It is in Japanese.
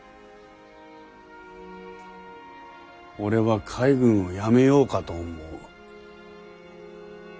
俺は海軍を辞めようかと思う。